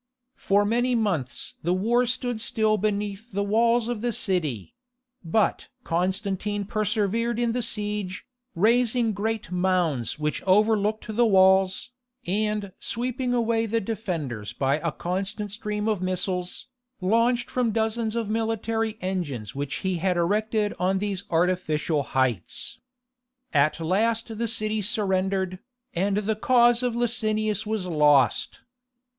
For many months the war stood still beneath the walls of the city; but Constantine persevered in the siege, raising great mounds which overlooked the walls, and sweeping away the defenders by a constant stream of missiles, launched from dozens of military engines which he had erected on these artificial heights. At last the city surrendered, and the cause of Licinius was lost.